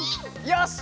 よし。